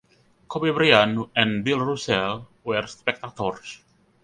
Kobe Bryant and Bill Russell were spectators.